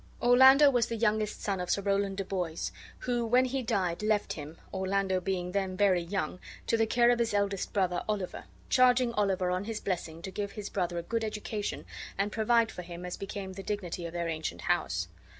Orlando was the youngest son of Sir Rowland de Boys, who, when he died, left him (Orlando being then very young) to the care of his eldest brother, Oliver, charging Oliver on his blessing to give his brother a good education and provide for him as became the dignity of their ancient house.